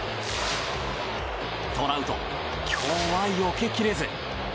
トラウト、今日はよけきれず。